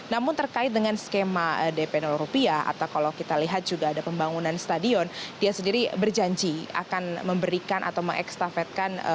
namun terkait dengan skema dp rupiah atau kalau kita lihat juga ada pembangunan stadion dia sendiri berjanji akan memberikan atau mengekstafetkan